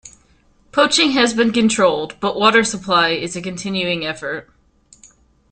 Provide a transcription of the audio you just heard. Poaching has been controlled but water supply is a continuing effort.